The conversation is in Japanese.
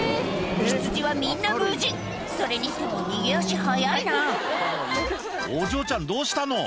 ヒツジはみんな無事それにしても逃げ足速いなお嬢ちゃんどうしたの？